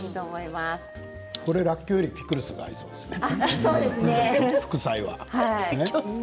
これはらっきょうよりピクルスが合いそうですね